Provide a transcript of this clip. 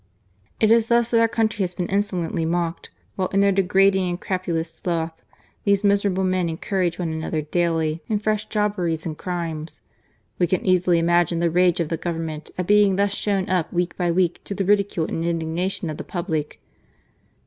It is thus that our country has been insolently mocked, while, in their degrading and crapulous sloth, these miserable men encourage one another daily in fresh jobberies and crimes. We can easily imagine the rage of the Govern ment at being thus shown up week by week to the ridicule and indignation of the public.